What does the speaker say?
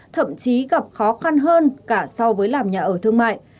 thậm chí gặp khó khăn hơn cả so với làm nhà ở thương mại